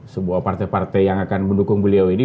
sebuah partai partai yang akan mendukung beliau ini